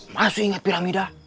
masih ingat piramida